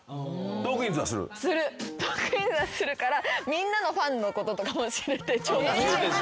『トークィーンズ』はするからみんなのファンのこととかも知れて超楽しい。